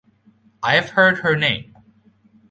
I've heard her name.